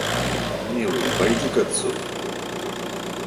Милый, пойди к отцу.